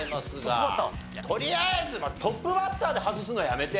とりあえずトップバッターで外すのやめて。